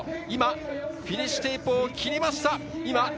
今、フィニッシュテープを切りました。